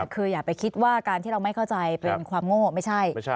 คืออย่าไปคิดว่าการที่เราไม่เข้าใจเป็นความโง่ไม่ใช่